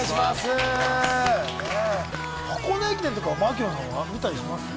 箱根駅伝とか槙野さん、見たりしますか？